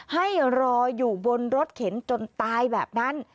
ให้รออยู่บนรถเข็นจนตายแบบนั้น